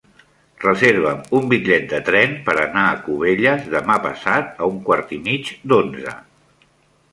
Reserva'm un bitllet de tren per anar a Cubelles demà passat a un quart i mig d'onze.